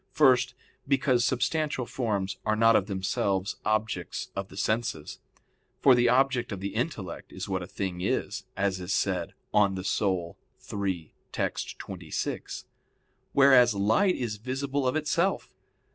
First, because substantial forms are not of themselves objects of the senses; for the object of the intellect is what a thing is, as is said De Anima iii, text. 26: whereas light is visible of itself.